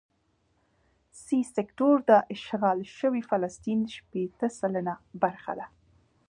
سي سیکټور د اشغال شوي فلسطین شپېته سلنه برخه ده.